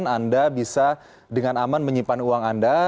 anda bisa dengan aman menyimpan uang anda